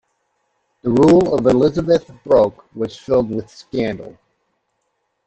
The rule of Elizabeth Broke was filled with scandal.